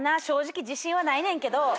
正直自信はないねんけど。